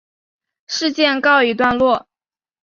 事件告一段落。